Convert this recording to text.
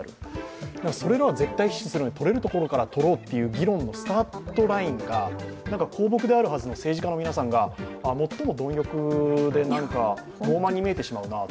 それらは絶対死守するので、とれるところからとろうという議論のスタートラインが公僕であるはずの政治家の皆さんが最も貪欲で、豊満に見えてしまうなと。